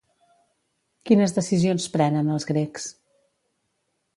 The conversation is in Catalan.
Quines decisions prenen els grecs?